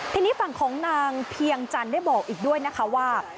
ทีนี้ฝั่งของนางเพียงจันทร์ได้บอกอีกด้วยนะคะว่า